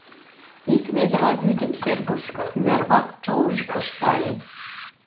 Ик ведра вӱдым Сергуш кӱварвак чож-ж кышкале.